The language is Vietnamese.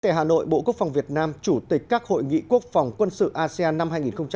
tại hà nội bộ quốc phòng việt nam chủ tịch các hội nghị quốc phòng quân sự asean năm hai nghìn hai mươi